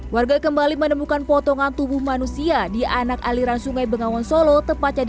warga kembali menemukan potongan tubuh manusia di anak aliran sungai bengawan solo tepatnya di